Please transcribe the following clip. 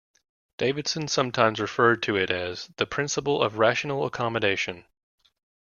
Davidson sometimes referred to it as "the principle of rational accommodation".